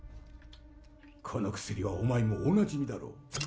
この薬はお前もおなじみだろう？